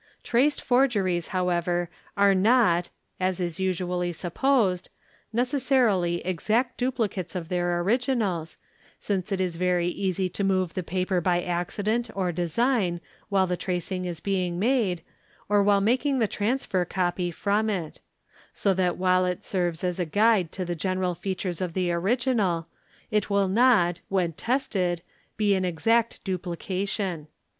i ai Traced forgeries, however, are not, as is usually supposed, necessarily — exact duplicates of their originals, since it is very easy to move the paper — by accident or design while the tracing is being made, or while making ~ the transfer copy from it; so that while it serves as a guide to the general features of the original, it will not, when tested, be an exact duplication.